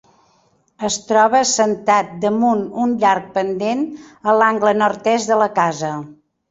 Es troba assentat damunt un llarg pendent a l'angle nord-est de la casa.